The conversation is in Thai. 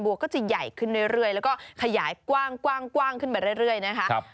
วัวก็จะใหญ่ขึ้นเรื่อยแล้วก็ขยายกว้างขึ้นมาเรื่อยนะคะ